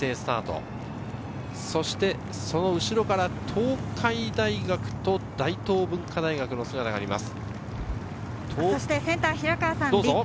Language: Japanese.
その後ろから東海大学と大東文化大学の姿があります。